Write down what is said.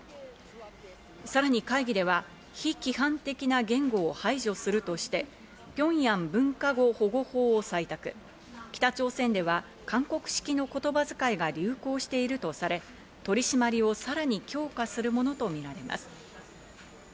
さらに会議では非規範的な言語を排除するとして、平壌文化語保護法を採択、北朝鮮では韓国式の言葉遣いが流行しているとされ、取り締まりをさらに強化するものとみられます。